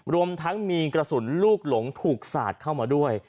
รวมทั้งมีกระสุนลูกหลงถูกสาดเข้ามาด้วย